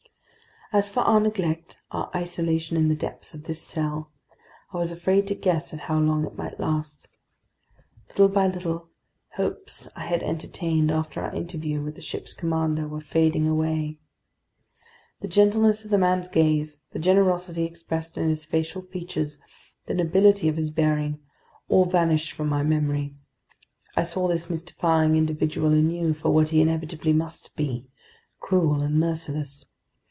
As for our neglect, our isolation in the depths of this cell, I was afraid to guess at how long it might last. Little by little, hopes I had entertained after our interview with the ship's commander were fading away. The gentleness of the man's gaze, the generosity expressed in his facial features, the nobility of his bearing, all vanished from my memory. I saw this mystifying individual anew for what he inevitably must be: cruel and merciless.